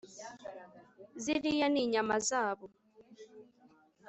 ziriya ni inyama zabo